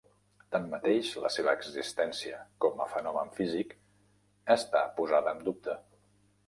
Tanmateix la seva existència com a fenomen físic està posada en dubte.